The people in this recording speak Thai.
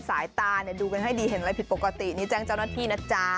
สายตาเนี่ยดูกันให้ดีเห็นอะไรผิดปกตินี่แจ้งเจ้าหน้าที่นะจ๊ะ